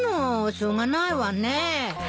しょうがないわね。